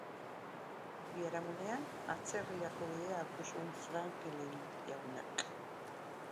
Biharamunean, atzerrirako bidea hartu zuen Franklin jaunak.